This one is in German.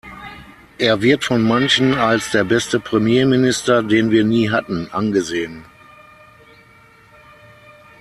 Er wird von manchen als „der beste Premierminister, den wir nie hatten“ angesehen.